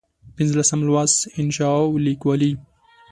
پنځلسم لوست: انشأ او لیکوالي